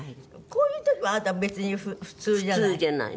こういう時はあなた別に普通じゃない。